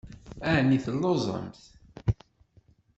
Ɛni telluẓemt?